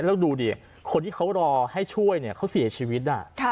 แล้วดูดิคนที่เขารอให้ช่วยเนี่ยเขาเสียชีวิต